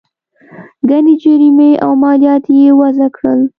ګڼې جریمې او مالیات یې وضعه کړل.